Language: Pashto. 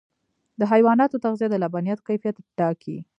د حیواناتو تغذیه د لبنیاتو کیفیت ټاکي.